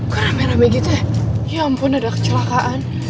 kok rame rame gitu ya ya ampun ada kecelakaan